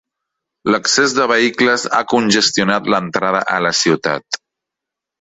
L'excés de vehicles ha congestionat l'entrada a la ciutat.